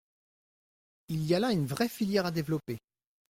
Il y a là une vraie filière à développer.